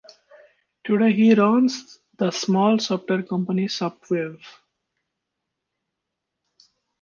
Today he runs the small software company Softwave.